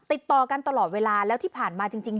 ติดต่อกันตลอดเวลาแล้วที่ผ่านมาจริง